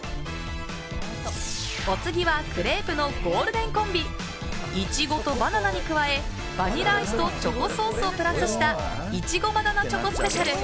お次はクレープのゴールデンコンビいちごとバナナに加えバニラアイスとチョコソースをプラスしたいちごバナナチョコスペシャル。